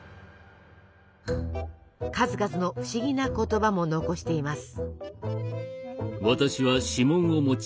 数々の不思議な言葉も残しています。